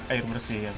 air bersih ya pak